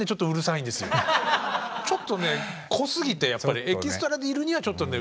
ちょっとね濃すぎてエキストラにいるにはちょっとね。